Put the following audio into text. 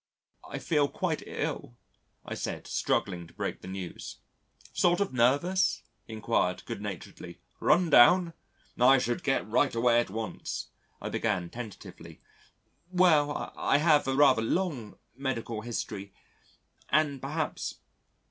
"I feel quite ill," I said, struggling to break the news. "Sort of nervous?" he enquired good naturedly, "run down? I should get right away at once." I began tentatively. "Well, I have a rather long medical history and perhaps